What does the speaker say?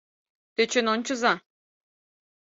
— Тӧчен ончыза.